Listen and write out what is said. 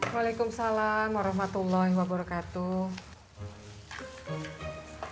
waalaikumsalam warahmatullahi wabarakatuh